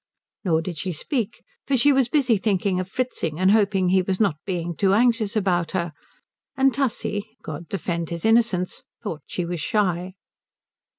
Nor did she speak, for she was busy thinking of Fritzing and hoping he was not being too anxious about her, and Tussie (God defend his innocence) thought she was shy.